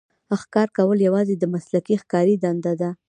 ښکار کول یوازې د مسلکي ښکاري دنده ده.